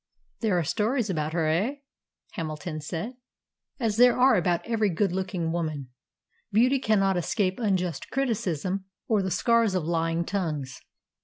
"There are stories about her, eh?" Hamilton said. "As there are about every good looking woman. Beauty cannot escape unjust criticism or the scars of lying tongues."